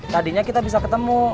tadinya kita bisa ketemu